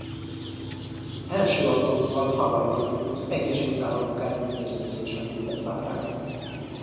Első alkalommal Hawaiion az Egyesült Államok elleni mérkőzésen lépett pályára.